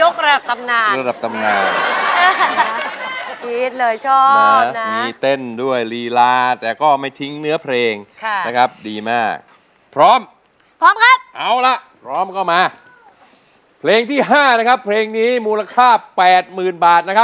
กลายเป็นแรงงานถูกกฎราคา